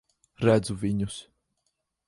Redzu viņus.